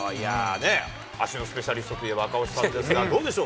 足のスペシャリストといえば、赤星さんですが、どうでしょう？